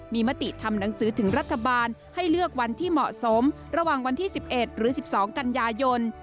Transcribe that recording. มีมติทำหนังสือถึงรัฐบาลให้เลือกวันที่เหมาะสมระหว่างวันที่๑๑หรือ๑๒กันยายน